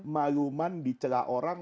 maluman dicelah orang